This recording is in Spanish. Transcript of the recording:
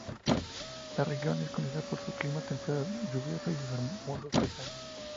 La región es conocida por su clima templado y lluvioso y sus hermosos paisajes.